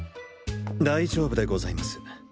大丈夫でございます。